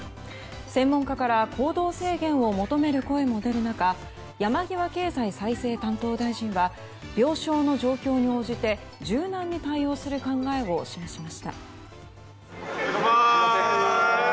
専門家から行動制限を求める声も出る中山際経済再生担当大臣は病床の状況に応じて柔軟に対応する考えを示しました。